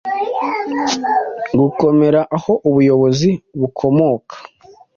Gukomera aho Ubuyobozi bukomoka,